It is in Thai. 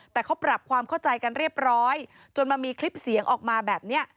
แต่เขาปรับความเข้าใจกันเรียบร้อยจนมันมีคลิปเสียงออกมาแบบนี้